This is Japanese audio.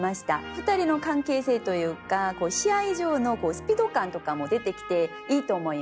２人の関係性というか試合上のスピード感とかも出てきていいと思います。